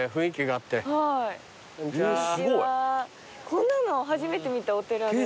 こんなの初めて見たお寺で。